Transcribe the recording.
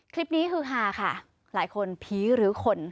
คลิปนี้คือค่ะหลายคนผีหรือขน